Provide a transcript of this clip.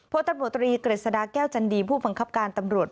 โพธิบทเกรษฎาแก้วจันดีผู้บังคับการตำรวจ